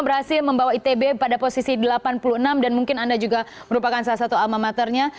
lima puluh empat lima berhasil membawa itb pada posisi delapan puluh enam dan mungkin anda juga merupakan salah satu alma maternya